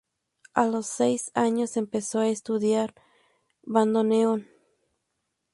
A los seis años empezó a estudiar bandoneón.